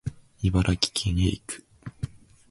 茨城県へ行く